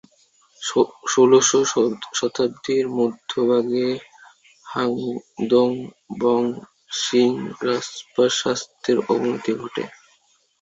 ষোড়শ শতাব্দীর মধ্যভাগে ঙ্গাগ-দ্বাং-ব্ক্রা-শিস-গ্রাগ্স-পার স্বাস্থ্যের অবনতি ঘটে।